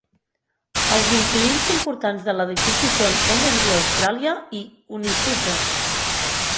Els inquilins importants de l'edifici són Energy Australia i UniSuper.